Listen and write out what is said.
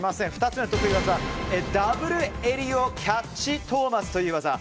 ２つの得意技ダブルエリオキャッチトーマスという技。